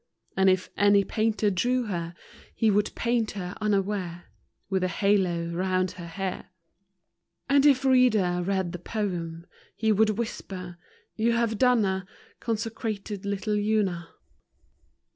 / And if any painter drew her, He would paint her unaware With a halo round her hair. And if reader read the poem, He would whisper, "You have done a Consecrated little Una